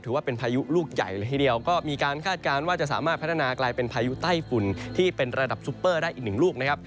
พายุลูกใหญ่เลยทีเดียวก็มีการคาดการณ์ว่าจะสามารถพัฒนากลายเป็นพายุใต้ฝุ่นที่เป็นระดับซุปเปอร์ได้อีกหนึ่งลูกนะครับ